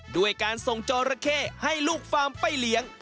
ด้วยการส่งจอระเข้ให้ลูกฟาร์มไปเลี้ยง